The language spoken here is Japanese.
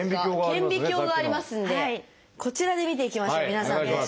顕微鏡がありますんでこちらで見ていきましょう皆さんで。